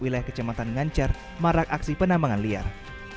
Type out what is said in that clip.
wilayah kecamatan ngancar marak aksi penambangan liar